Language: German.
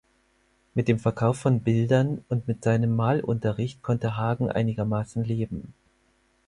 Mit dem Verkauf von Bildern und mit seinem Malunterricht konnte Hagen einigermaßen leben.